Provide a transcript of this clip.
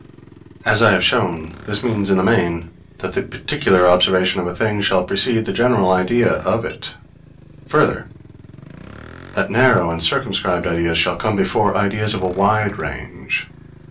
As I have shown, this means, in the main, that the particular observation of a thing shall precede the general idea of it; further, that narrow and circumscribed ideas shall come before ideas of a wide range.